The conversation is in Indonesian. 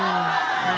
nah ini dia